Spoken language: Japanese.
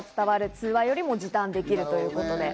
通話より時短できるということで。